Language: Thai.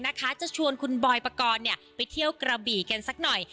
นะคะจะชวนคุณบอยปกรณ์ไปเที่ยวกระบี่กันสักหน่อย